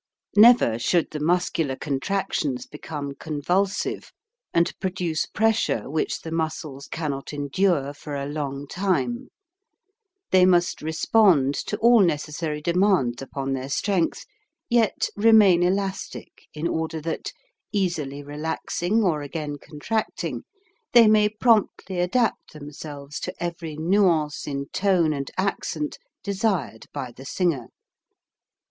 Never should the muscular contractions become convulsive and produce pressure which the muscles cannot endure for a long time. They must respond to all necessary demands upon their strength, yet remain elastic in order that, easily relaxing or again contracting, they may promptly adapt themselves to every nuance in tone and accent desired by the singer.